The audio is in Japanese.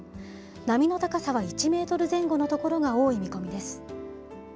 波の高さは１メートル前後の所が多い見込みです。